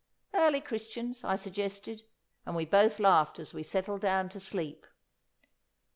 'Early Christians,' I suggested, and we both laughed as we settled down to sleep.